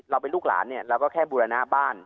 เราเป็นลูกหลานเนี่ยเราก็แค่บูรณะบ้าน